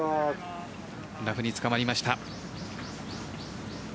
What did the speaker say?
ラフにつかまりました。